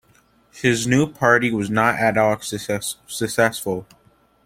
His new party was not at all successful.